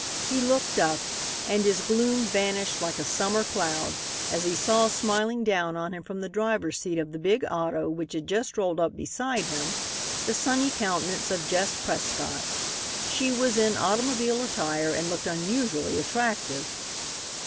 He looked up, and his gloom vanished like a summer cloud as he saw smiling down on him from the driver's seat of the big auto which had just rolled up beside him, the sunny countenance of Jess Prescott. She was in automobile attire and looked unusually attractive.